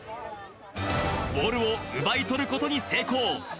ボールを奪い取ることに成功。